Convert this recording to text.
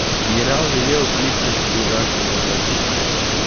Генерал велел кликнуть вчерашнего злодея.